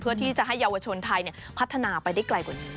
เพื่อที่จะให้เยาวชนไทยพัฒนาไปได้ไกลกว่านี้